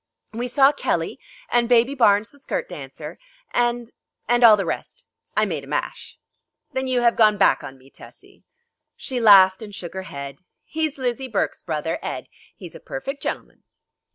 "We saw Kelly and Baby Barnes the skirt dancer and and all the rest. I made a mash." "Then you have gone back on me, Tessie?" She laughed and shook her head. "He's Lizzie Burke's brother, Ed. He's a perfect gen'l'man."